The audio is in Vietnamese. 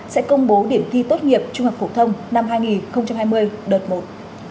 sẽ công bố điểm thi tất nghiệp trung học hổ thông năm hai nghìn hai mươi đợt một